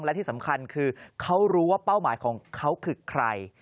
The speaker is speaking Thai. และที่สำคัญคือเขารู้ว่าเป้าหมายของเขาคือใคร